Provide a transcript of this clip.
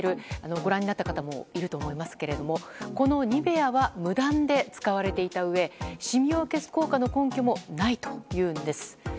ご覧になった方もいると思いますけれどもこのニベアは無断で使われていたうえシミを消す効果の根拠もないというんです。